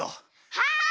はい！